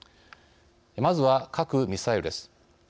まずは核・ミサイルです。